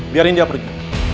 biarin dia pergi